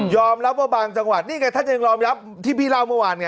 รับว่าบางจังหวัดนี่ไงท่านยังยอมรับที่พี่เล่าเมื่อวานไง